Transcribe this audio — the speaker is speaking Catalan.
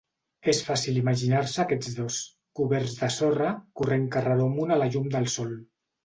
És fàcil imaginar-se a aquests dos, coberts de sorra, corrent carreró amunt a la llum del sol.